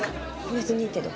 別にいいけど。